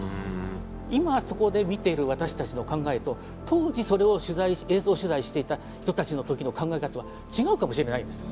今そこで見てる私たちの考えと当時それを映像取材していた人たちの時の考え方は違うかもしれないんです。